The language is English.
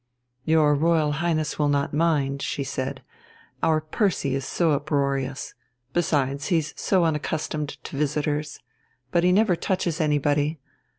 "Your Royal Highness will not mind," she said, "our Percy is so uproarious. Besides, he's so unaccustomed to visitors. But he never touches anybody.